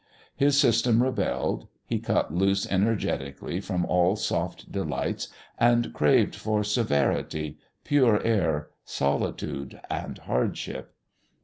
His system rebelled. He cut loose energetically from all soft delights, and craved for severity, pure air, solitude and hardship.